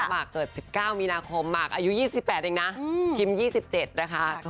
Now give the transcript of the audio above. มะเกิด๑๙มีนาคมมีมากอายุ๒๘ตั้งใจใช่ไหม